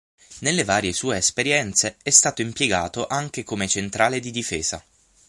Nelle varie sue esperienze è stato impiegato anche come centrale di difesa.